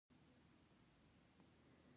د لبنیاتو استعمال قد لوړوي .